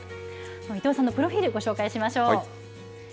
伊藤さんのプロフィール、ご紹介しましょう。